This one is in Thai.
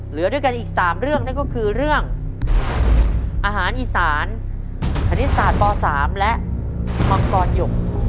เหลือด้วยกันอีก๓เรื่องนั่นก็คือเรื่องอาหารอีสานคณิตศาสตร์ป๓และมังกรหยก